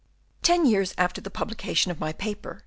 Ten years after the publication of my paper, M.